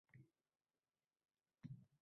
Ha qo’y bolam artislani nima qilaman.